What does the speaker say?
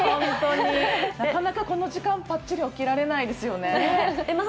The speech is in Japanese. なかなかこの時間パッチリ起きられないですよね。